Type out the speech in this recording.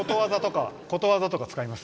ことわざとか、使います？